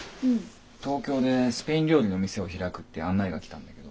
東京でスペイン料理の店を開くって案内が来たんだけど。